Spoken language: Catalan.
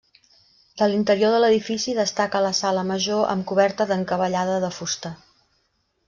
De l'interior de l'edifici destaca la sala major amb coberta d'encavallada de fusta.